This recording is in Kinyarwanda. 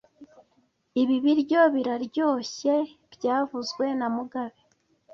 Ibi biryo biraryoshye byavuzwe na mugabe